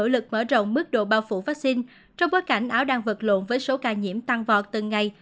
lực mở rộng mức độ bao phủ vaccine trong bối cảnh áo đang vật lộn với số ca nhiễm tăng vọt từng ngày